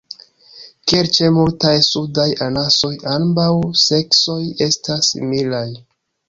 Kiel ĉe multaj sudaj anasoj, ambaŭ seksoj estas similaj.